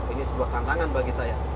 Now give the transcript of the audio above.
ini sebuah tantangan bagi saya